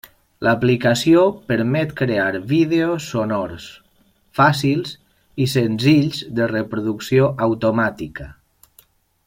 L'aplicació permet crear vídeos sonors, fàcils i senzills de reproducció automàtica.